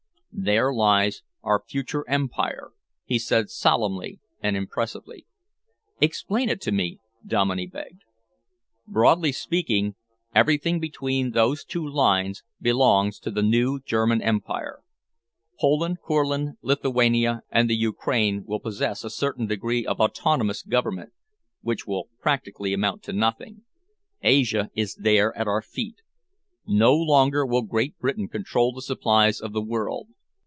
"There lies our future Empire," he said solemnly and impressively. "Explain it to me," Dominey begged. "Broadly speaking, everything between those two lines belongs to the new German Empire. Poland, Courland, Lithuania, and the Ukraine will possess a certain degree of autonomous government, which will practically amount to nothing. Asia is there at our feet. No longer will Great Britain control the supplies of the world.